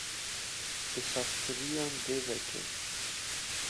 Di sazkariyan de veke.